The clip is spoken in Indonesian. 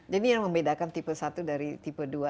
jadi yang membedakan tipe satu dari tipe dua